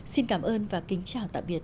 xin cảm ơn và kính chào tạm biệt